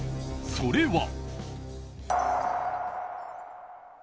それは。